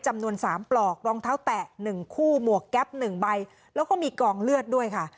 จำนวน๓ปลอกรองเท้าแตะ๑คู่หมวกแก๊ป๑ใบแล้วก็มีกองเลือดด้วยค่ะ